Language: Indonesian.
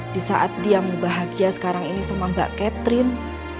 di saat dia membahagia sekarang ini sama mbak catherine